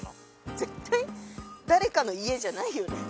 絶対誰かの家じゃないよね。